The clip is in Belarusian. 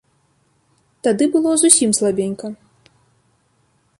Тады было зусім слабенька.